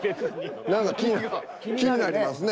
何か気に気になりますね。